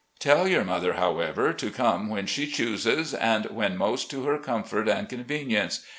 ... Tell your mother, however, to come when she chooses and when most to her comfort and convenience.